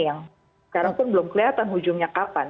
yang sekarang pun belum kelihatan ujungnya kapan